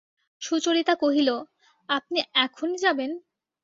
সুচরিতা কহিল, আপনি এখনই যাবেন?